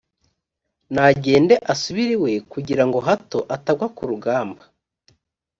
nagende asubire iwe, kugira ngo hato atagwa ku rugamba,